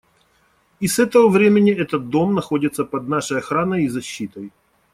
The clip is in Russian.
И с этого времени этот дом находится под нашей охраной и защитой.